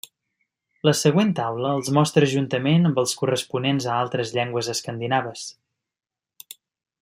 La següent taula els mostra juntament amb els corresponents a altres llengües escandinaves.